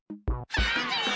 ハングリー！